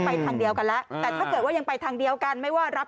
ทางเดียวกันแล้วแต่ถ้าเกิดว่ายังไปทางเดียวกันไม่ว่ารับ